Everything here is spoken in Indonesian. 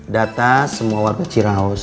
data semua warga ciraos